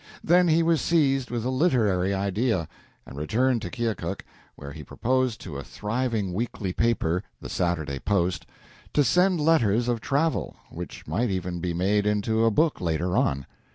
Then he was seized with a literary idea, and returned to Keokuk, where he proposed to a thriving weekly paper, the "Saturday Post," to send letters of travel, which might even be made into a book later on.